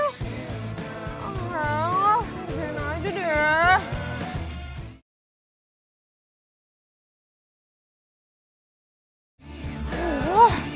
eh ngerjain aja deh